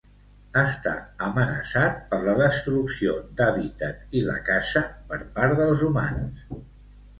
Està amenaçat per la destrucció d'hàbitat i la caça per part dels humans.